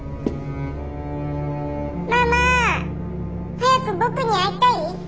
「ママ早く僕に会いたい？」。